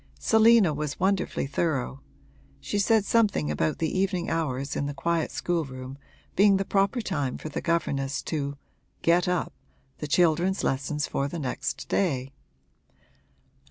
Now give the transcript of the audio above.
Selina was wonderfully thorough; she said something about the evening hours in the quiet schoolroom being the proper time for the governess to 'get up' the children's lessons for the next day.